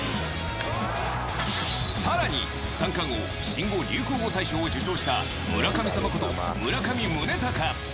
更に、三冠王新語・流行語大賞を受賞した村神様こと村上宗隆。